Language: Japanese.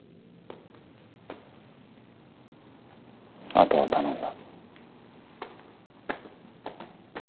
あとは頼んだ。